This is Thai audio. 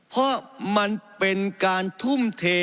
เพราะมันเป็นการทุ่มเท